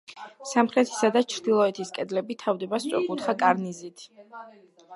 სამხრეთისა და ჩრდილოეთის კედლები თავდება სწორკუთხა კარნიზით.